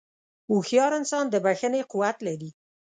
هوښیار انسان د بښنې قوت لري.